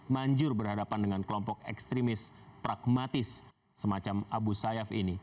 manjur berhadapan dengan kelompok ekstremis pragmatis semacam abu sayyaf ini